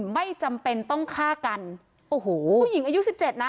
ไม่จำเป็นต้องฆ่ากันโอ้โหผู้หญิงอายุสิบเจ็ดนะ